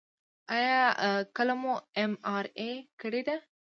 ایا کله مو ام آر آی کړې ده؟